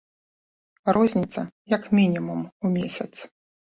Розніца як мінімум у месяц!